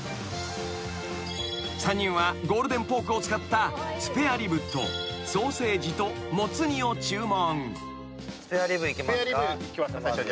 ［３人はゴールデンポークを使ったスペアリブとソーセージともつ煮を注文］